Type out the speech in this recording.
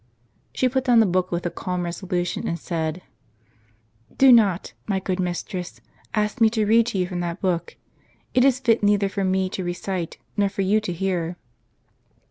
She put down the book with a calm resolution, and said :" Do not, my good mistress, ask me to read to you from that book. It is fit neither for me to recite, nor for you to hear."